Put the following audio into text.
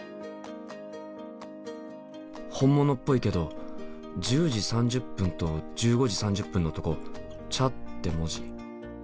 本物っぽいけど１０時３０分と１５時３０分のとこ「茶」って文字。